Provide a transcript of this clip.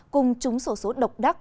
cùng chúng sổ số độc đắc